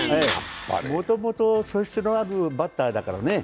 もともと素質のあるバッターだからね。